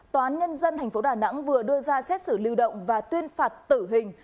tòa án nhân dân tp đà nẵng vừa đưa ra xét xử lưu động và tuyên phạt tử hình